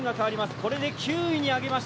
これで９位に上げました。